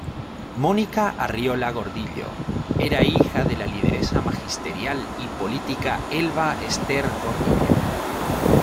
Mónica Arriola Gordillo era hija de la lideresa magisterial y política Elba Esther Gordillo.